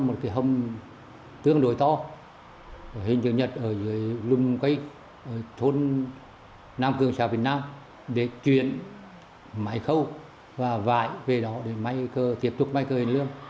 một cái hông tương đối to hình như nhật ở dưới lùm cây thôn nam cường xã bình nam để chuyển máy khâu và vải về đó để may cờ tiếp tục may cờ hiền lương